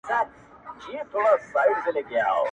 ته جرس په خوب وینه او سر دي ښوروه ورته٫